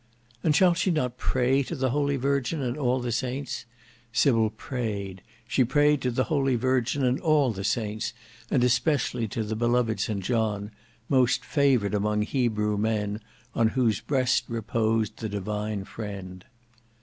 And shall she not pray to the holy Virgin and all the saints? Sybil prayed: she prayed to the holy Virgin and all the saints; and especially to the beloved St John: most favoured among Hebrew men, on whose breast reposed the divine Friend.